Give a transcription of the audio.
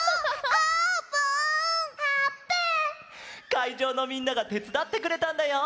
かいじょうのみんながてつだってくれたんだよ！